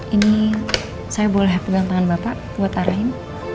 ini saya boleh pegang tangan bapak buat arahin